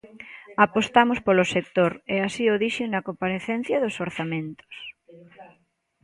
Apostamos polo sector, e así o dixen na comparecencia dos orzamentos.